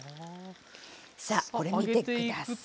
さあこれ見て下さい。